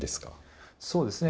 そうですね